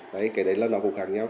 cái đấy là nó cũng khác nhau